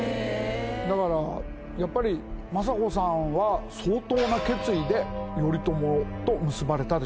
だからやっぱり政子さんは相当な決意で頼朝と結ばれたでしょうね。